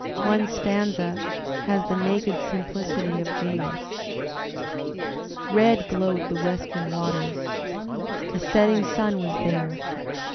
One stanza has the naked simplicity of genius: Red glowed the western waters — The setting sun was there.